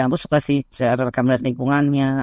aku suka sih caranya mereka melihat lingkungannya